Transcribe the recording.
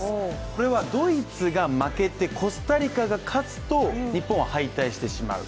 これはドイツが負けて、コスタリカが勝つと日本は敗退してしまう。